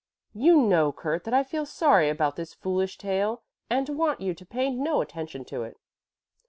"You know, Kurt, that I feel sorry about this foolish tale and want you to pay no attention to it."